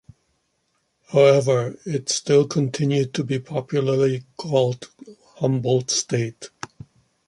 However, it still continued to be popularly called Humboldt State.